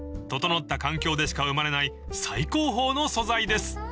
［整った環境でしか生まれない最高峰の素材です］